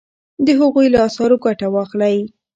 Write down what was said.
د هغوی له اثارو ګټه واخلئ.